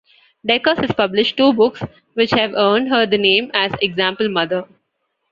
Deckers has published two books, which have earned her the name as 'example mother'.